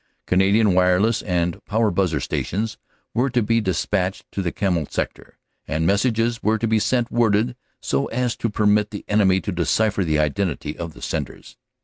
Canadian Wireless and Power Buzzer Sections were to be despatched to the Kemmel Sector, and messages were to be sent worded so as to permit the enemy to decipher the identity of the senders.